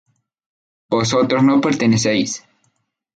vosotros no partieseis